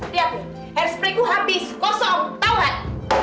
lihat nih air sprayku habis kosong tau gak